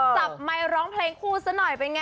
ไมค์ร้องเพลงคู่ซะหน่อยเป็นไง